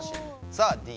さあＤ